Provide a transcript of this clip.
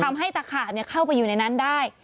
ทำให้ตะขาบเข้าไปอยู่ในนั้นได้